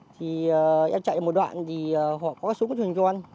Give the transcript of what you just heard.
thì em chạy một đoạn thì họ có súng thuyền con